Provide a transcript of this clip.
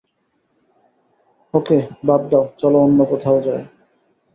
ওকে, বাদ দাও, চলো অন্য কোথাও যাই।